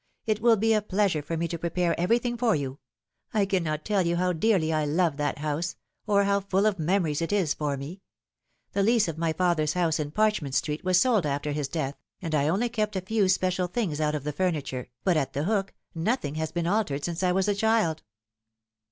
It will be a pleasure for me to prepare everything for you. I cannot tell you how dearly I love that house, or how full of memories it is for me. The lease of my father's house in Parchment Street wag sold after his death, and I only kept a few special things out oi the furniture, but at The Hook nothing has been altered since I was a child."